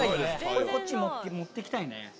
これこっちに持っていきたいね。